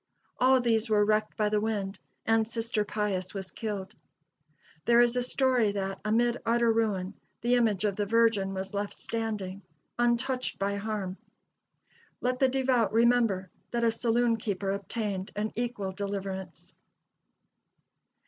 All these were wrecked by the wind, and Sister Pius was killed. There is a story that, amid utter ruin, the image of the Virgin was left standing, untouched by harm. Let the devout remember that a saloon keeper obtained an equal deliverance.